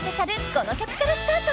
この曲からスタート］